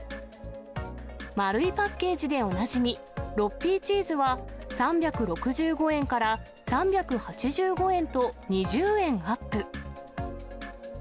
丸いパッケージでおなじみ、６Ｐチーズは、３６５円から３８５円と、２０円アップ。